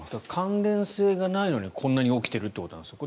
関連性がないのにこんなに起きているということなんですね。